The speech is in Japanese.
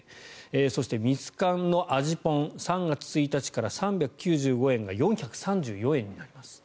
そしてミツカンの味ぽん３月１日から３９５円から４３４円になります。